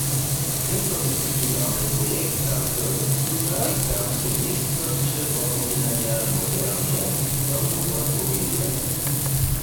Interdisciplinarny projekt Serbskeho instituta „Serbske městnosće wopominanja w modernje“ tomu wotpowěduje.